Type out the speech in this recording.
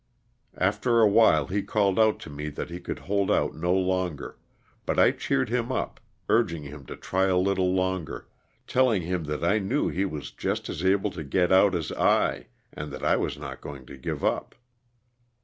After awhile he called out to me that he could hold out no longer, but I cheered him up, urging him to try a little longer, telling him that I knew he was just as able to get out as I and that I was not going to give up.